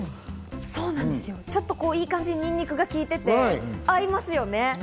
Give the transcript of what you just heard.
ちょっといい感じにニンニクが効いていて合いますよね。